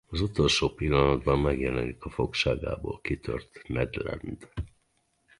Az utolsó pillanatban megjelenik a fogságából kitört Ned Land.